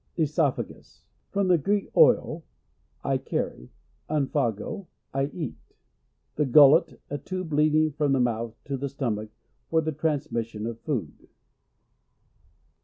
QCsofhagus — From the Greek, aid, I } carry, and phago, I cat. The gul let. A lube leading from the mouth i to the stomach for the transmission of food.